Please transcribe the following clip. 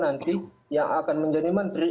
nanti yang akan menjadi menteri